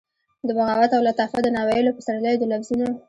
د بغاوت او لطافت د ناویلو پسرلیو د لفظونو،